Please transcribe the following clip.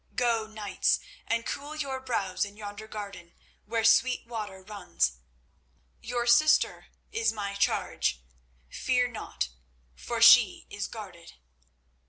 Go, knights, and cool your brows in yonder garden, where sweet water runs. Your sister is my charge. Fear not, for she is guarded."